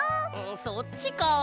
そっちか。